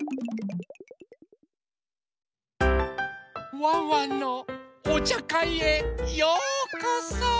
ワンワンのおちゃかいへようこそ！